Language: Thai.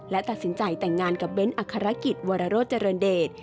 และตัดสินใจแต่งงานกับเบ้นอัครกิจวรโรธเจริญเดช